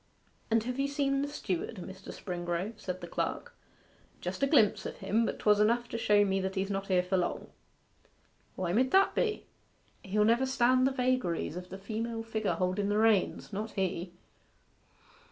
'And have you seen the steward, Mr. Springrove?' said the clerk. 'Just a glimpse of him; but 'twas just enough to show me that he's not here for long.' 'Why mid that be?' 'He'll never stand the vagaries of the female figure holden the reins not he.